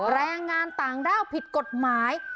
แรงงานต่างด้าวผิดกฎหมาย